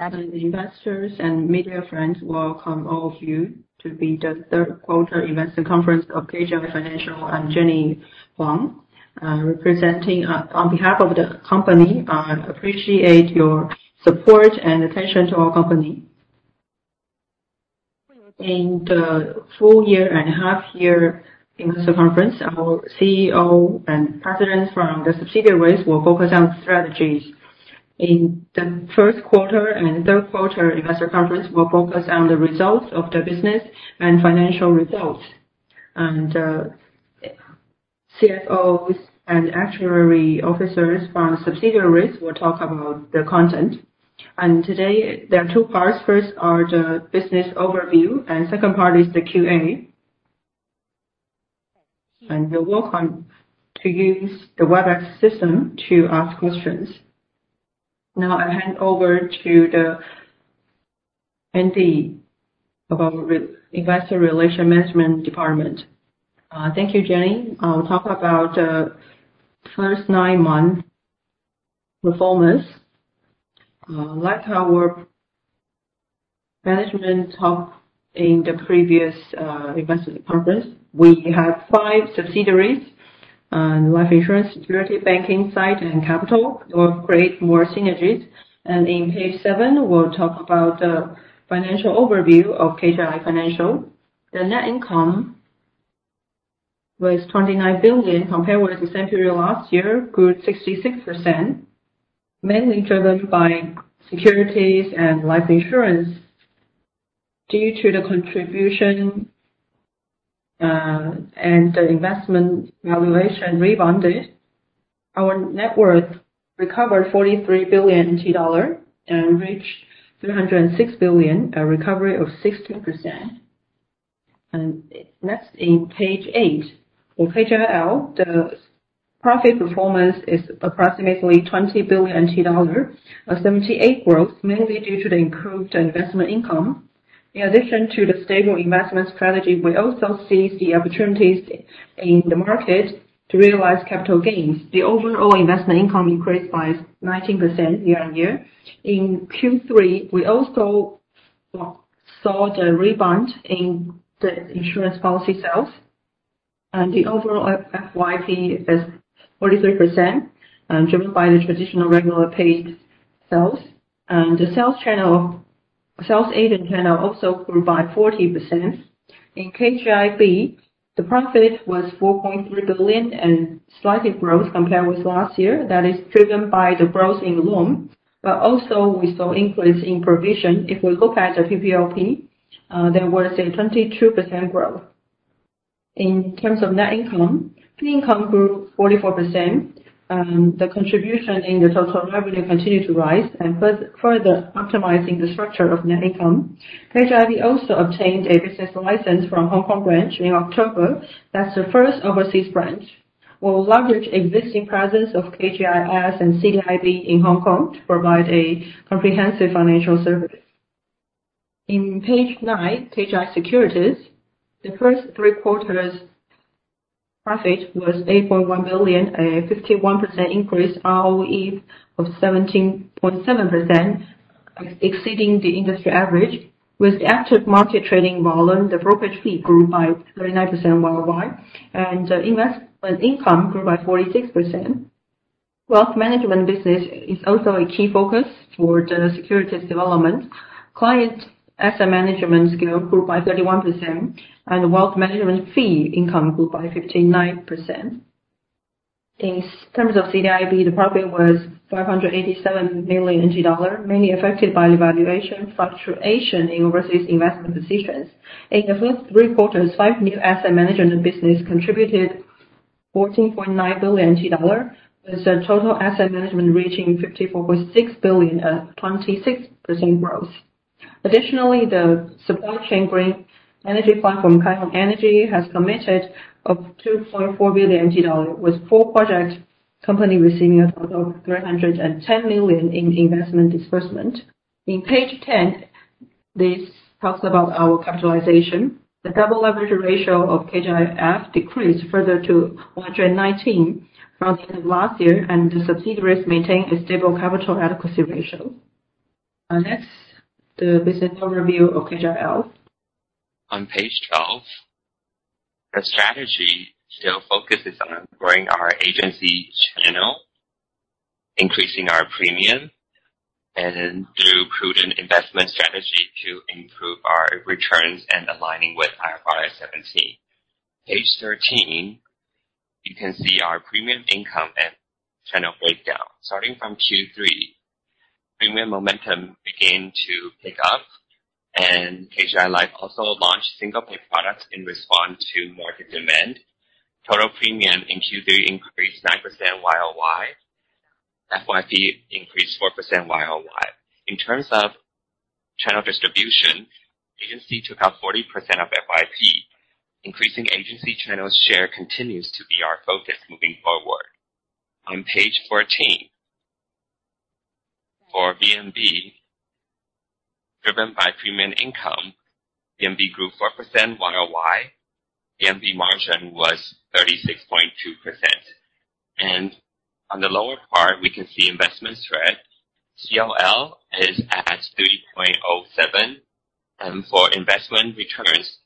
Investors and media friends, welcome all of you to the third quarter investor conference of KGI Financial. I'm Jenny Huang, representing on behalf of the company. I appreciate your support and attention to our company. In the full year and half year investor conference, our CEO and Presidents from the subsidiaries will focus on strategies. In the first quarter and third quarter investor conference will focus on the results of the business and financial results. CFOs and actuary officers from subsidiaries will talk about the content. Today, there are two parts. First are the business overview, and second part is the Q&A. You're welcome to use the Webex system to ask questions. Now I hand over to the MD of our Investor Relation Management Department. Thank you, Jenny. I'll talk about the first nine months' performance. Our management talk in the previous investor conference, we have five subsidiaries. Life Insurance, Securities, Banking, SITE, and Capital will create more synergies. On page seven, we'll talk about the financial overview of KGI Financial. The net income was 29 billion, compared with the same period last year, grew 66%, mainly driven by Securities and Life Insurance. Due to the contribution and the investment valuation rebounded, our net worth recovered 43 billion dollar and reached 306 billion, a recovery of 60%. Next on page eight. For KGI Life, the profit performance is approximately 20 billion dollars, a 78% growth, mainly due to the improved investment income. In addition to the stable investment strategy, we also seized the opportunities in the market to realize capital gains. The overall investment income increased by 19% year-on-year. In Q3, we also saw the rebound in the insurance policy sales. The overall FYP is 43%, driven by the traditional regular paid sales. The sales agent channel also grew by 40%. In KGIB, the profit was 4.3 billion and slight growth compared with last year. That is driven by the growth in loan. Also, we saw increase in provision. If we look at the PPLP, there was a 22% growth. In terms of net income, the income grew 44%. The contribution in the total revenue continued to rise and further optimizing the structure of net income. KGIB also obtained a business license from Hong Kong Branch in October. That's the first overseas branch. We'll leverage existing presence of KGI Securities and CDIB in Hong Kong to provide a comprehensive financial service. On page nine, KGI Securities. The first three quarters' profit was 8.1 billion, a 51% increase ROE of 17.7%, exceeding the industry average. With the active market trading volume, the brokerage fee grew by 39% year-on-year. Investment income grew by 46%. Wealth management business is also a key focus for the Securities development. Clients' asset management scale grew by 31%. Wealth management fee income grew by 59%. In terms of CDIB, the profit was 587 million dollars, mainly affected by the valuation fluctuation in overseas investment positions. In the first three quarters, five new asset management business contributed 14.9 billion NT dollar, with the total asset management reaching 54.6 billion at 26% growth. Additionally, the supply chain green energy fund from Kai-Hong Energy has committed 2.4 billion dollars, with four projects, company receiving a total of 310 million in investment disbursement. On page 10, this talks about our capitalization. The double leverage ratio of KGI Financial decreased further to 119 from the end of last year, and the subsidiaries maintain a stable capital adequacy ratio. Next, the business overview of KGI Life. On page 12. Our strategy still focuses on growing our agency channel, increasing our premium, and through prudent investment strategy to improve our returns and aligning with IFRS 17. Page 13, you can see our premium income and channel breakdown. Starting from Q3, premium momentum began to pick up and KGI Life also launched single-pay products in response to market demand. Total premium in Q3 increased 9% YOY. FYP increased 4% YOY. In terms of channel distribution, agency took up 40% of FYP. Increasing agency channel share continues to be our focus moving forward. On page 14. For VNB Driven by premium income, VNB grew 4% YOY. VNB margin was 36.2%. On the lower part, we can see investment spread. COL is at 30.07, and for investment returns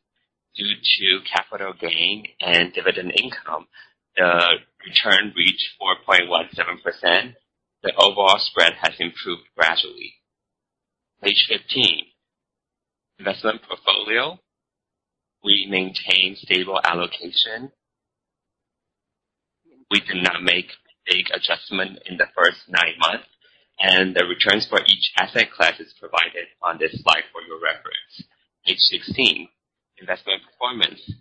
due to capital gain and dividend income, the return reached 4.17%. The overall spread has improved gradually. Page 15, investment portfolio. We maintain stable allocation. We do not make big adjustment in the first nine months, and the returns for each asset class is provided on this slide for your reference. Page 16, investment performance.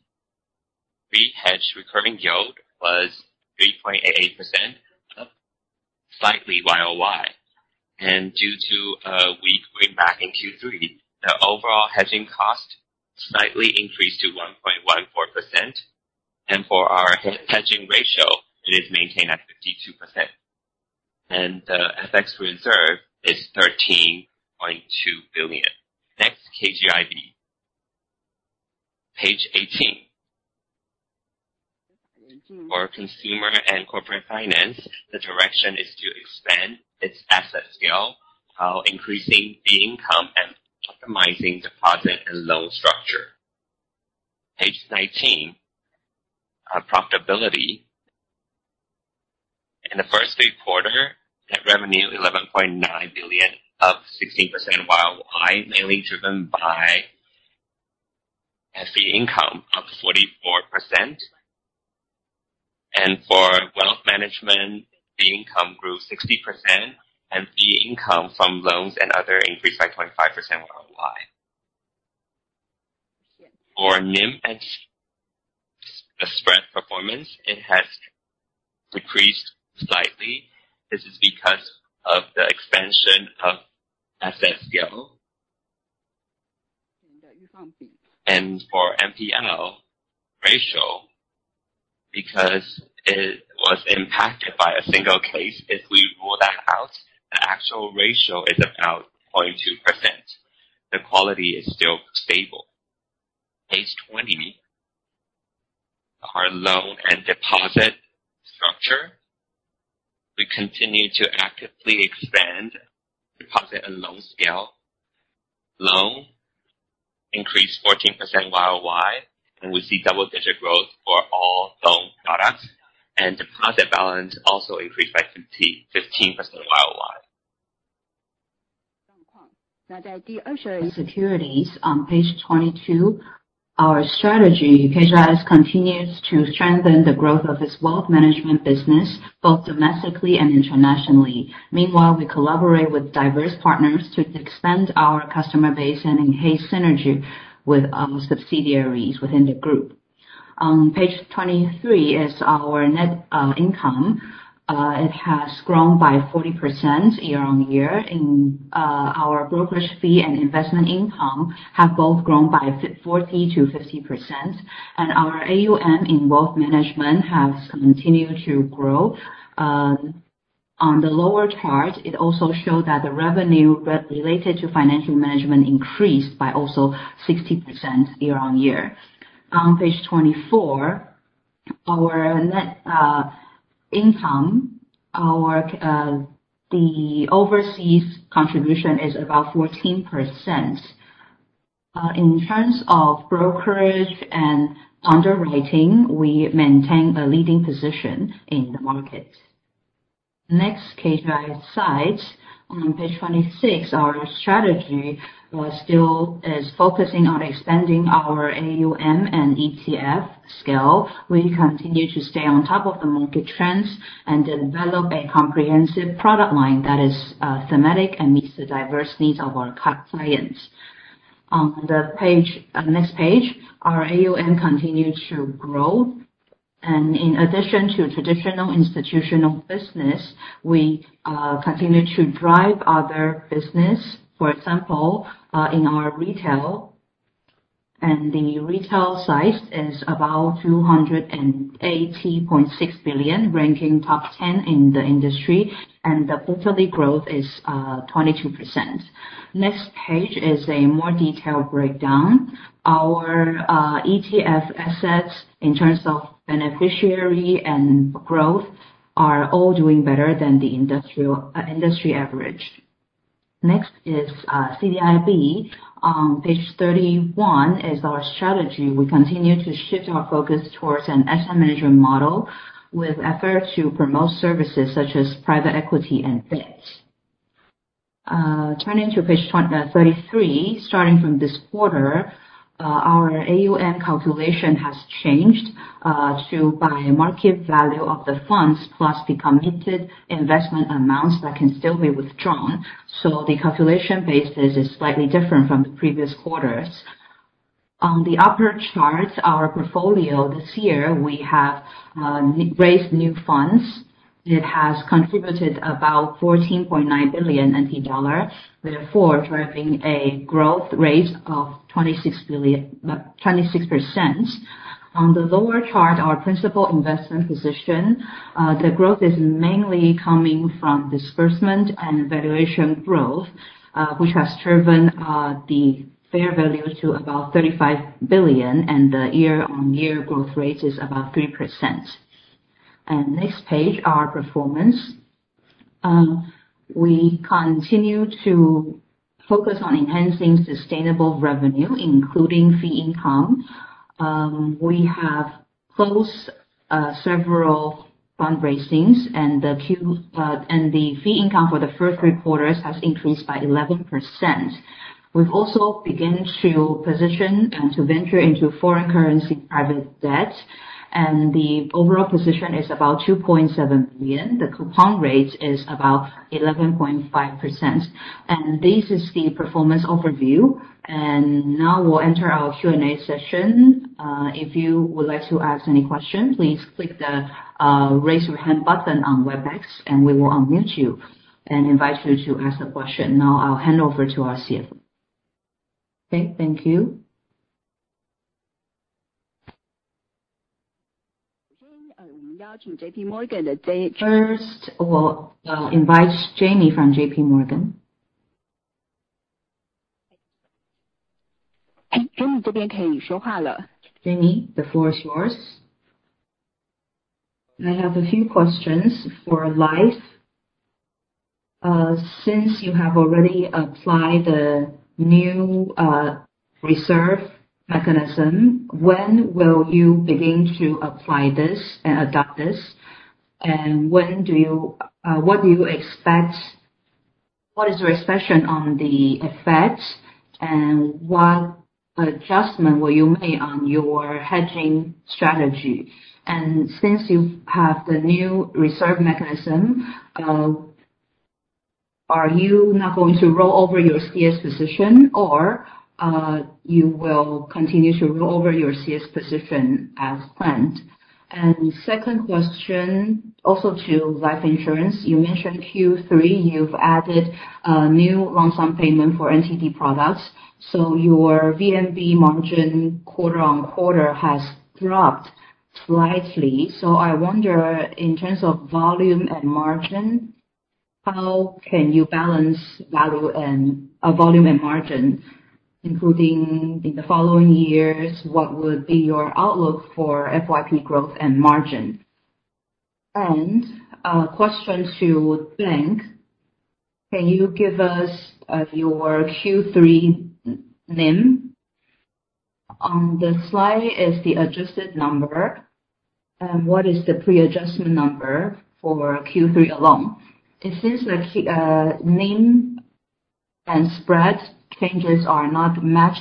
Re-hedged recurring yield was 3.88%, up slightly YOY. Due to a weak greenback in Q3, the overall hedging cost slightly increased to 1.14%. For our hedging ratio, it is maintained at 52%. The FX reserve is $13.2 billion. Next, KGIB. Page 18. For consumer and corporate finance, the direction is to expand its asset scale while increasing fee income and optimizing deposit and loan structure. Page 19, our profitability. In the first three quarter, net revenue 11.9 billion, up 16% YOY, mainly driven by fee income up 44%. For wealth management, fee income grew 60%, and fee income from loans and other increased by 25% YOY. For NIM and spread performance, it has decreased slightly. This is because of the expansion of asset scale. For NPL ratio, because it was impacted by a single case. If we rule that out, the actual ratio is about 0.2%. The quality is still stable. Page 20, our loan and deposit structure. We continue to actively expand deposit and loan scale. Loan increased 14% YOY, and we see double digit growth for all loan products. Deposit balance also increased by 15% YOY. Securities on Page 22. Our strategy, KGIS continues to strengthen the growth of its wealth management business, both domestically and internationally. Meanwhile, we collaborate with diverse partners to expand our customer base and enhance synergy with subsidiaries within the group. Page 23 is our net income. It has grown by 40% year-on-year. Our brokerage fee and investment income have both grown by 40%-50%, and our AUM in wealth management has continued to grow. On the lower chart, it also shows that the revenue related to financial management increased by also 60% year-on-year. On Page 24, our net income, the overseas contribution is about 14%. In terms of brokerage and underwriting, we maintain a leading position in the market. Next, KGI SITE on Page 26. Our strategy still is focusing on expanding our AUM and ETF scale. We continue to stay on top of the market trends and develop a comprehensive product line that is thematic and meets the diverse needs of our clients. On the next page, our AUM continued to grow, and in addition to traditional institutional business, we continue to drive other business. For example, in our retail, the retail size is about 280.6 billion, ranking top 10 in the industry, and the quarterly growth is 22%. Next page is a more detailed breakdown. Our ETF assets in terms of beneficiary and growth are all doing better than the industry average. Next is CDIB on Page 31 is our strategy. We continue to shift our focus towards an asset management model with effort to promote services such as private equity and FICC. Turning to Page 33, starting from this quarter, our AUM calculation has changed to by market value of the funds plus the committed investment amounts that can still be withdrawn. The calculation basis is slightly different from the previous quarters. On the upper chart, our portfolio this year, we have raised new funds. It has contributed about 14.9 billion NT dollar, therefore driving a growth rate of 26%. On the lower chart, our principal investment position, the growth is mainly coming from disbursement and valuation growth, which has driven the fair value to about 35 billion, and the year-on-year growth rate is about 3%. Next page, our performance. We continue to focus on enhancing sustainable revenue, including fee income. We have closed several fundraisings, and the fee income for the first three quarters has increased by 11%. We've also begun to position and to venture into foreign currency private debt, and the overall position is about 2.7 billion. The coupon rate is about 11.5%, and this is the performance overview. We'll enter our Q&A session. If you would like to ask any question, please click the Raise Your Hand button on Webex, and we will unmute you and invite you to ask the question. Now I'll hand over to our CFO. Okay, thank you. We now turn to J.P. Morgan. First, we'll invite Jamie from J.P. Morgan. Jamie, the floor is yours. I have a few questions for Life. Since you have already applied the new reserve mechanism, when will you begin to apply this and adopt this? What is your expression on the effects, and what adjustment will you make on your hedging strategy? Since you have the new reserve mechanism, are you not going to roll over your CS position, or you will continue to roll over your CS position as planned? Second question, also to Life insurance. You mentioned Q3, you've added a new lump sum payment for NTD products, so your VNB margin quarter-on-quarter has dropped slightly. I wonder, in terms of volume and margin, how can you balance volume and margin, including in the following years, what would be your outlook for FYP growth and margin? A question to Bank. Can you give us your Q3 NIM? On the slide is the adjusted number. What is the pre-adjustment number for Q3 alone? It seems like NIM and spread changes are not matched.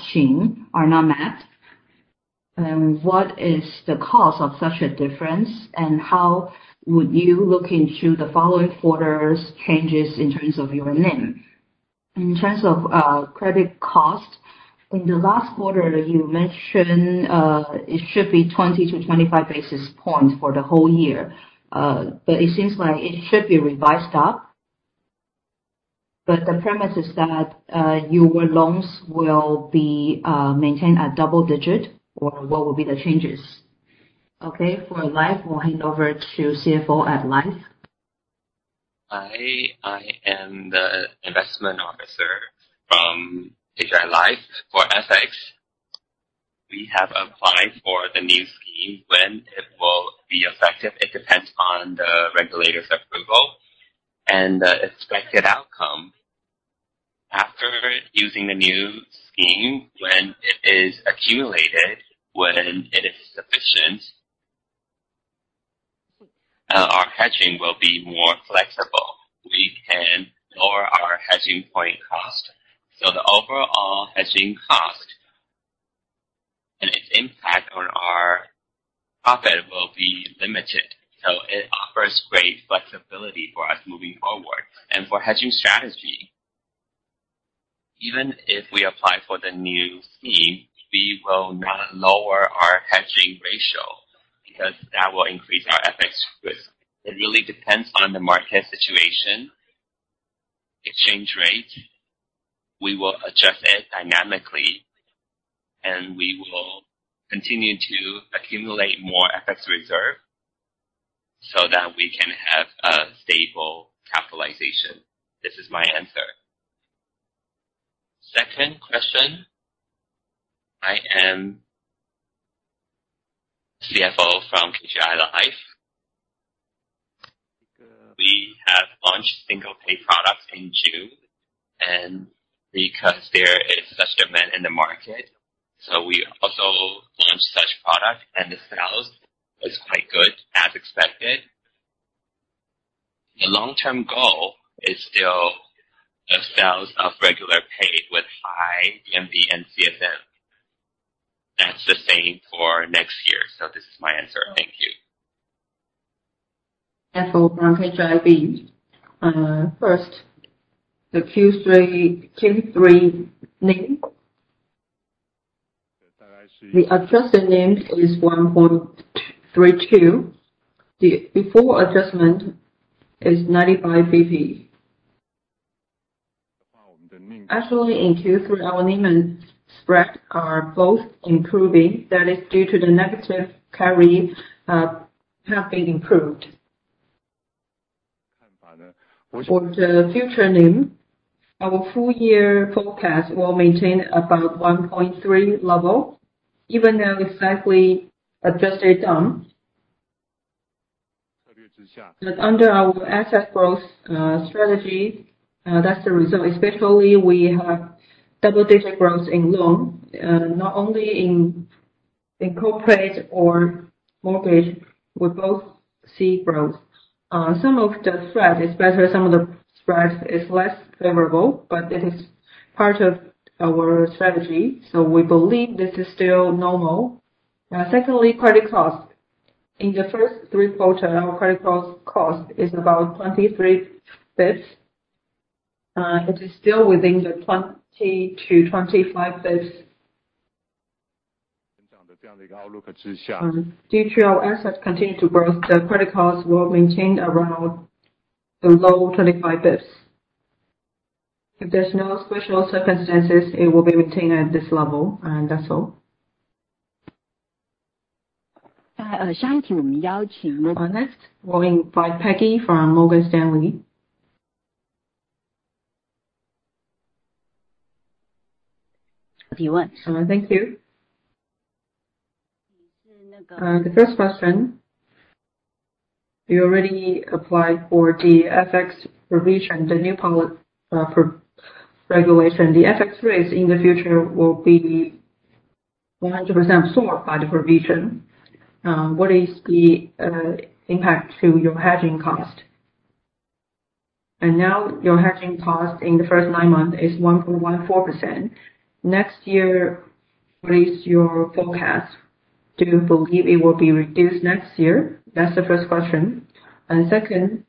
What is the cause of such a difference, and how would you look into the following quarters changes in terms of your NIM? In terms of credit cost, in the last quarter, you mentioned it should be 20 to 25 basis points for the whole year. It seems like it should be revised up. The premise is that your loans will be maintained at double-digit, or what will be the changes? Okay. For Life, we'll hand over to CFO at Life. I am the investment officer from KGI Life. For FX, we have applied for the new scheme. When it will be effective, it depends on the regulator's approval. The expected outcome after using the new scheme, when it is accumulated, when it is sufficient, our hedging will be more flexible. We can lower our hedging point cost. The overall hedging cost and its impact on our profit will be limited. It offers great flexibility for us moving forward. For hedging strategy, even if we apply for the new scheme, we will not lower our hedging ratio because that will increase our FX risk. It really depends on the market situation, exchange rate. We will adjust it dynamically, and we will continue to accumulate more FX reserve so that we can have a stable capitalization. This is my answer. Second question. I am CFO from KGI Life. We have launched single-pay products in June, because there is such demand in the market, we also launched such product, the sales was quite good, as expected. The long-term goal is still the sales of regular pay with high VNB and CSM. That's the same for next year. This is my answer. Thank you. CFO from KGI Bank. First, the Q3 NIM. The adjusted NIM is 1.32%. Before adjustment is 95 basis points. In Q3, our NIM spread are both improving. That is due to the negative carry have been improved. For the future NIM, our full year forecast will maintain about 1.3% level, even now exactly adjusted down. Under our asset growth strategy, that's the result. Especially we have double-digit growth in loan, not only in corporate or mortgage, we both see growth. Some of the spread is better, some of the spreads is less favorable, but this is part of our strategy, so we believe this is still normal. Secondly, credit cost. In the first 3 quarter, our credit cost is about 23 basis points. It is still within the 20 to 25 basis points. Due to our assets continue to growth, the credit cost will maintain around below 25 basis points. If there's no special circumstances, it will be retained at this level, and that's all. Up next, we will invite Peggy from Morgan Stanley. Thank you. The first question, you already applied for the FX provision, the new regulation. The FX rates in the future will be 100% absorbed by the provision. What is the impact to your hedging cost? Now your hedging cost in the first 9 months is 1.14%. Next year, what is your forecast? Do you believe it will be reduced next year? That's the first question. Second,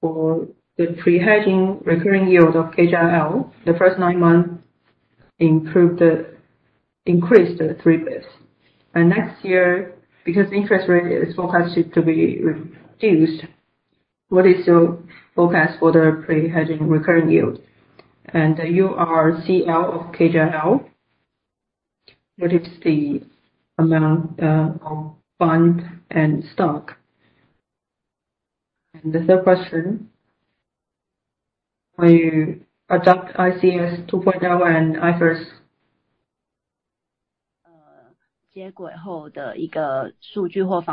for the pre-hedging recurring yield of KGI Life, the first 9 months increased 3 basis points. Next year, because interest rate is forecasted to be reduced, what is your forecast for the pre-hedging recurring yield? URCL of KGI Life, what is the amount of bond and stock? The third question, will you adopt ICS 2.0 and IFRS? Do you have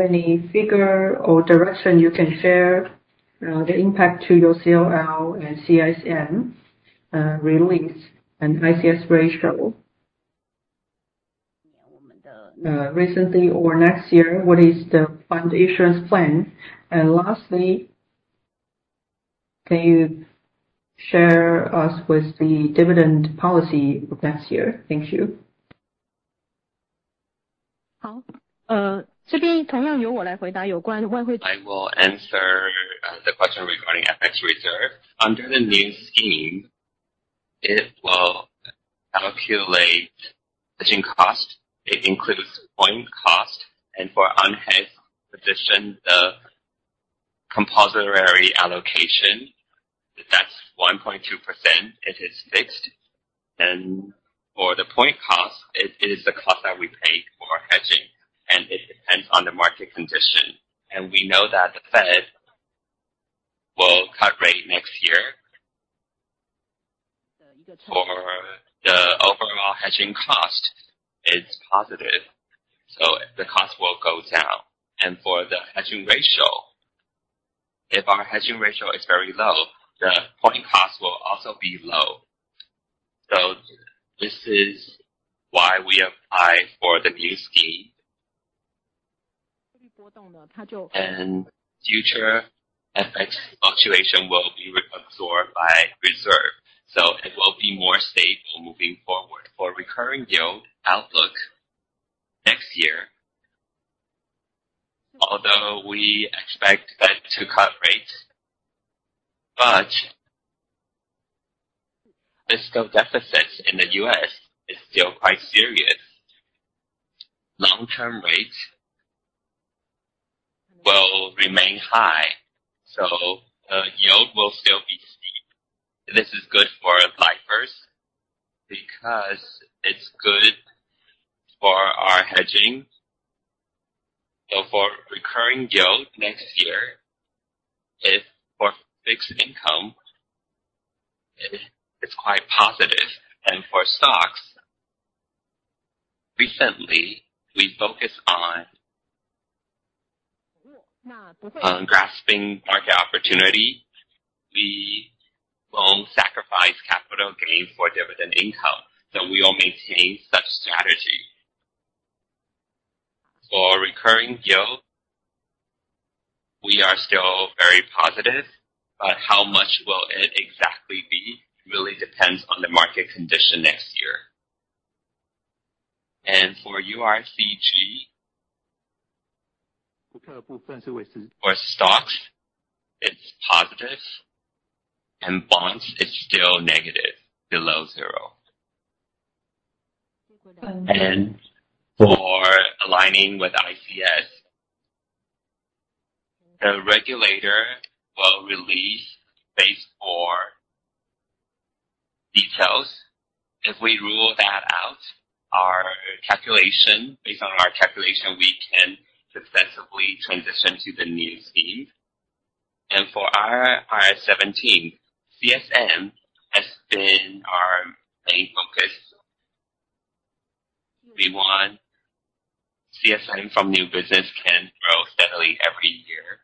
any figure or direction you can share the impact to your COL and CIS release and ICS ratio? Recently or next year, what is the fund insurance plan? Lastly, can you share us with the dividend policy next year? Thank you. I will answer the question regarding FX reserve. Under the new scheme, it will calculate hedging cost. It includes point cost and for unhedged position, the compensatory allocation, that is 1.2%. It is fixed. For the point cost, it is the cost that we paid for our hedging, and it depends on the market condition. We know that the Fed will cut rate next year. For the overall hedging cost, it is positive, so the cost will go down. For the hedging ratio, if our hedging ratio is very low, the point cost will also be low. This is why we apply for the new scheme. Future FX fluctuation will be absorbed by reserve. It will be more stable moving forward. For recurring yield outlook next year, although we expect Fed to cut rates, risk of deficits in the U.S. is still quite serious. Long-term rates will remain high, so the yield will still be steep. This is good for lifers because it is good for our hedging. For recurring yield next year, if for fixed income, it is quite positive. For stocks, recently, we focus on grasping market opportunity. We will not sacrifice capital gain for dividend income. We will maintain such strategy. For recurring yield, we are still very positive. How much will it exactly be? It really depends on the market condition next year. For URGL, for stocks, it is positive, and bonds, it is still negative. For aligning with ICS, the regulator will release basis for details. If we rule that out, based on our calculation, we can successfully transition to the new scheme. For our IFRS 17, CSM has been our main focus. We want CSM from new business can grow steadily every year.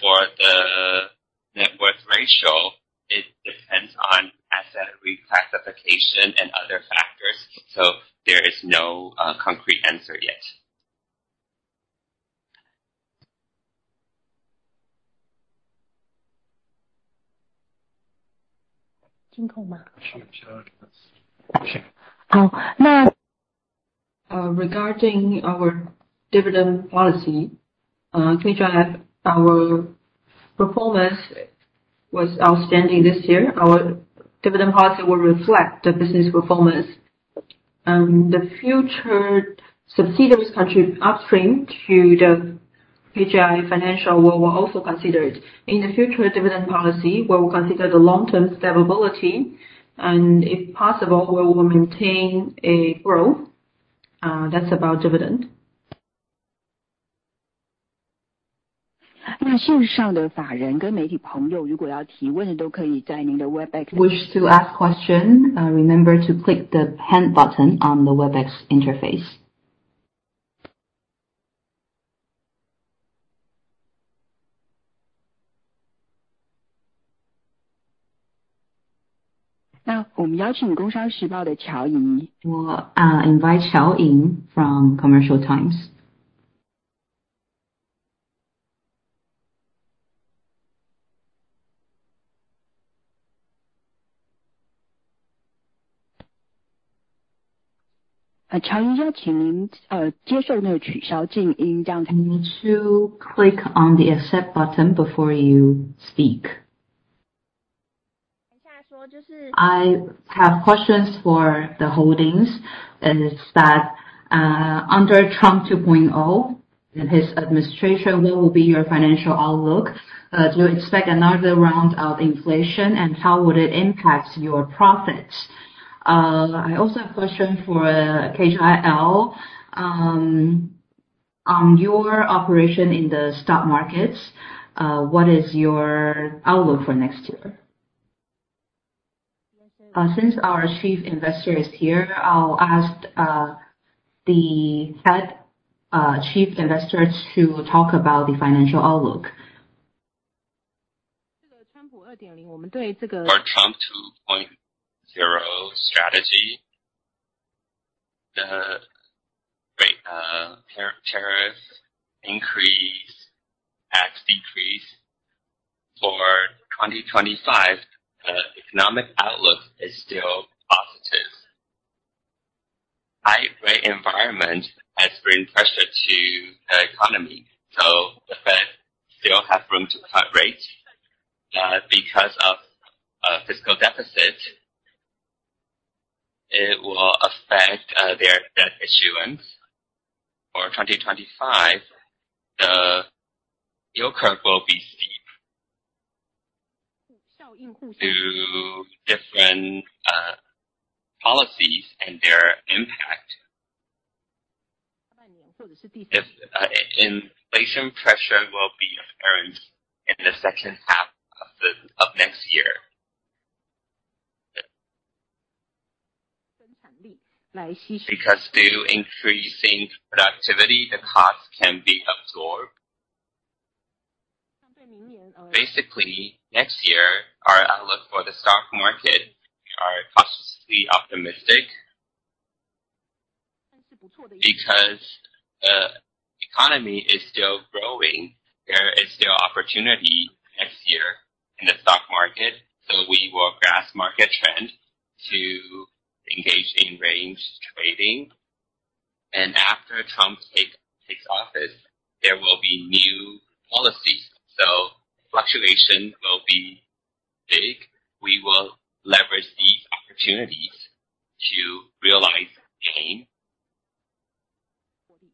For the net worth ratio, it depends on asset reclassification and other factors. There is no concrete answer yet. Regarding our dividend policy, KGI Financial, our performance was outstanding this year. Our dividend policy will reflect the business performance. The future subsidiaries upstream to the KGI Financial, we will also consider it. In the future dividend policy, we will consider the long-term stability, and if possible, we will maintain a growth. That is about dividend. Wish to ask question, remember to click the hand button on the Webex interface. We will invite Qiaoying from Commercial Times. You need to click on the accept button before you speak. I have questions for the holdings, it is that under Trump 2.0 and his administration, what will be your financial outlook? Do you expect another round of inflation, and how would it impact your profits? I also have question for KGI Life on your operation in the stock markets. What is your outlook for next year? Since our chief investor is here, I will ask the head chief investor to talk about the financial outlook. Trump 2.0 strategy, the tariff increase, tax decrease for 2025, the economic outlook is still positive. High rate environment has bring pressure to the economy, the Fed still have room to cut rates. Because of fiscal deficit, it will affect their debt issuance. For 2025, the yield curve will be steep. Through different policies and their impact, inflation pressure will be apparent in the second half of next year. Because through increasing productivity, the cost can be absorbed. Basically, next year, our outlook for the stock market are cautiously optimistic. Because the economy is still growing, there is still opportunity next year in the stock market. We will grasp market trend to engage in range trading. After Trump takes office, there will be new policies, so fluctuation will be big. We will leverage these opportunities to realize gain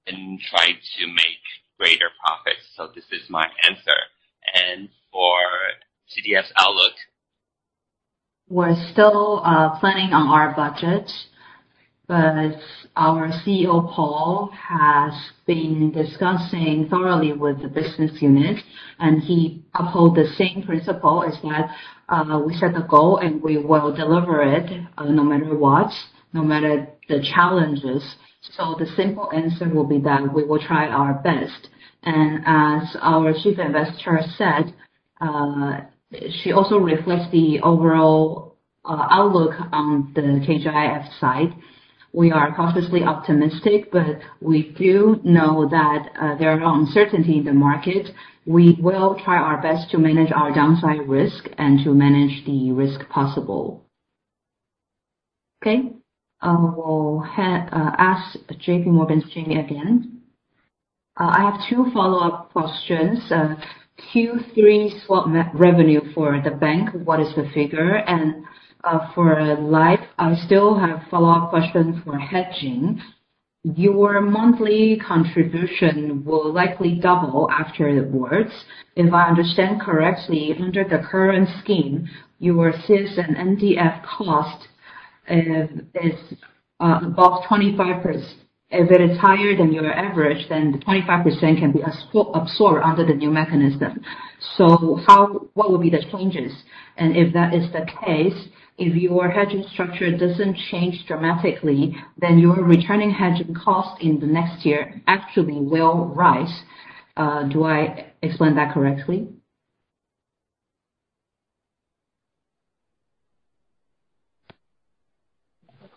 and try to make greater profits. This is my answer. For CDS outlook. We are still planning on our budget, but our CEO, Paul, has been discussing thoroughly with the business unit, and he uphold the same principle, is that we set the goal and we will deliver it no matter what, no matter the challenges. The simple answer will be that we will try our best. As our chief investor said, she also reflects the overall outlook on the KGIF side. We are cautiously optimistic, but we do know that there are uncertainty in the market. We will try our best to manage our downside risk and to manage the risk possible. Okay. I will ask JPMorgan's Ching again. I have two follow-up questions. Q3 swap revenue for the bank, what is the figure? For Life, I still have follow-up questions for hedging. Your monthly contribution will likely double afterwards. If I understand correctly, under the current scheme, your CIS and NDF cost is above 25%. If it is higher than your average, then the 25% can be absorbed under the new mechanism. What will be the changes? If that is the case, if your hedging structure doesn't change dramatically, then your returning hedging cost in the next year actually will rise. Do I explain that correctly?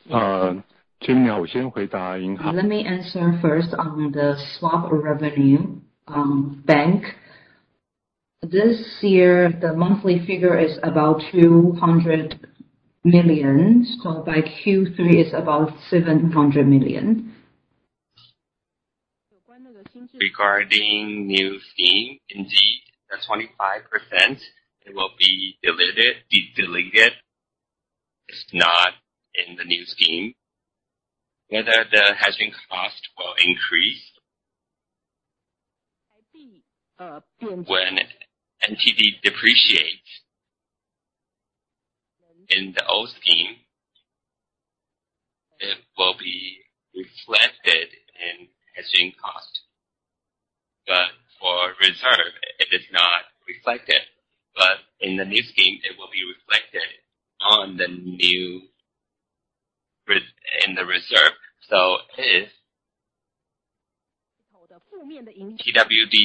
Let me answer first on the swap revenue bank. This year, the monthly figure is about 200 million, so by Q3 it's about 700 million. Regarding the new scheme, indeed, the 25%, it will be deleted. It's not in the new scheme. Whether the hedging cost will increase. When NTD depreciates in the old scheme, it will be reflected in hedging cost. For reserve, it is not reflected. In the new scheme, it will be reflected in the reserve. If TWD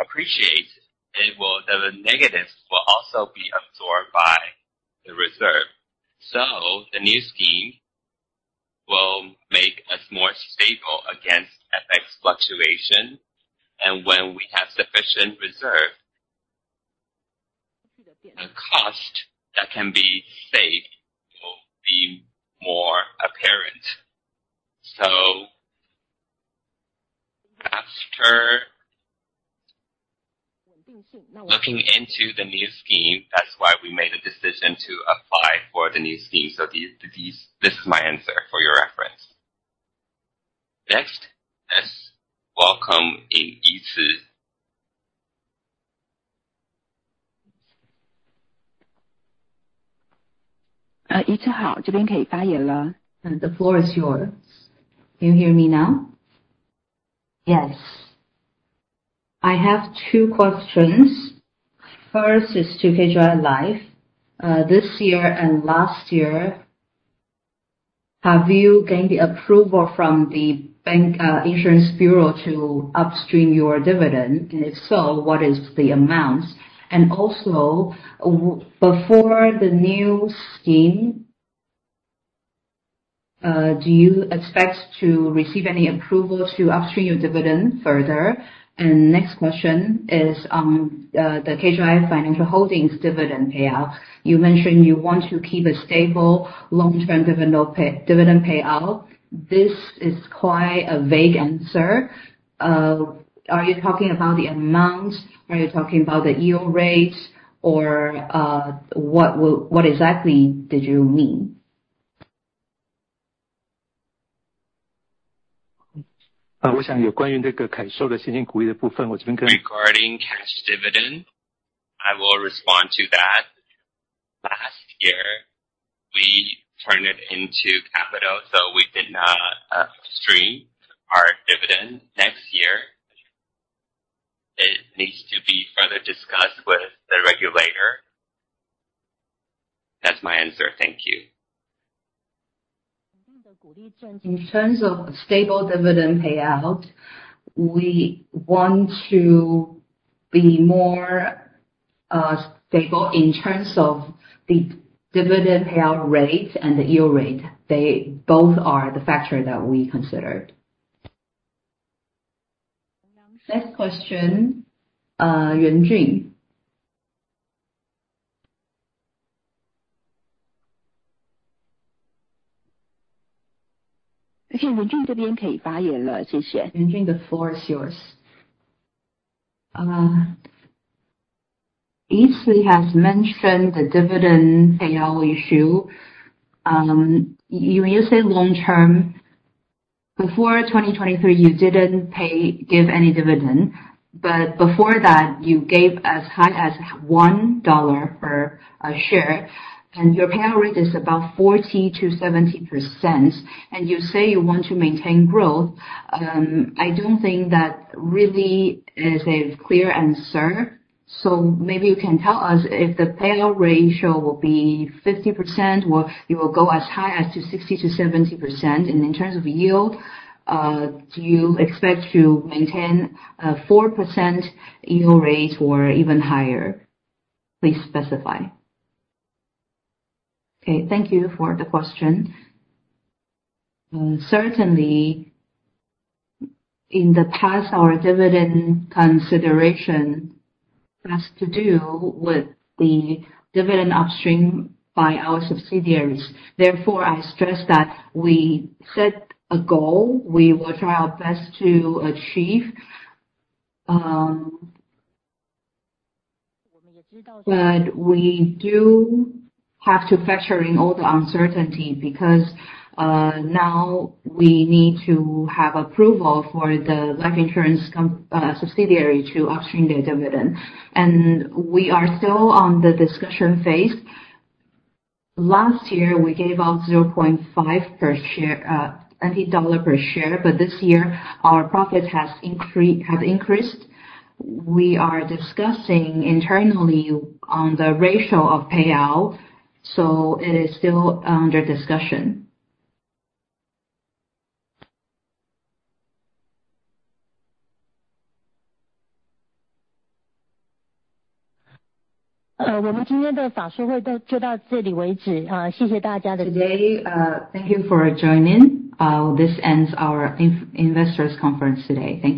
appreciates, the negatives will also be absorbed by the reserve. The new scheme will make us more stable against FX fluctuation. When we have sufficient reserve, the cost that can be saved will be more apparent. After looking into the new scheme, that's why we made a decision to apply for the new scheme. This is my answer for your reference. Next, let's welcome in Ichi. The floor is yours. Can you hear me now? Yes. I have two questions. First is to KGI Life. This year and last year, have you gained the approval from the Insurance Bureau to upstream your dividend? If so, what is the amount? Also, before the new scheme, do you expect to receive any approval to upstream your dividend further? Next question is on the KGI Financial Holding Co. dividend payout. You mentioned you want to keep a stable long-term dividend payout. This is quite a vague answer. Are you talking about the amount? Are you talking about the yield rate? What exactly did you mean? Regarding cash dividend, I will respond to that. Last year, we turned it into capital. We did not upstream our dividend. Next year, it needs to be further discussed with the regulator. That's my answer. Thank you. In terms of stable dividend payout, we want to be more stable in terms of the dividend payout rate and the yield rate. They both are the factors that we considered. Next question, Yun Jun. Yun Jun, the floor is yours. Ichi has mentioned the dividend payout issue. You say long-term. Before 2023, you didn't give any dividend. Before that, you gave as high as 1 dollar per share. Your payout rate is about 40%-70%. You say you want to maintain growth. I don't think that really is a clear answer. Maybe you can tell us if the payout ratio will be 50%, or it will go as high as to 60%-70%. In terms of yield, do you expect to maintain a 4% yield rate or even higher? Please specify. Thank you for the question. Certainly, in the past, our dividend consideration has to do with the dividend upstream by our subsidiaries. Therefore, I stress that we set a goal we will try our best to achieve. We do have to factor in all the uncertainty because now we need to have approval for the life insurance subsidiary to upstream their dividend. We are still on the discussion phase. Last year, we gave out 0.5 per share. This year, our profit has increased. We are discussing internally on the ratio of payout. It is still under discussion. Today, thank you for joining. This ends our investors' conference today. Thank you